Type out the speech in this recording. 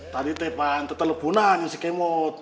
tadi teh pang tetelepunan si kemot